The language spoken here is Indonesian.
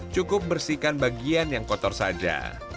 cukup bersihkan bagian yang kotor saja